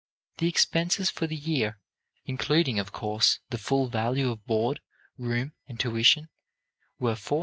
The expenses for the year, including, of course, the full value of board, room, and tuition, were $478.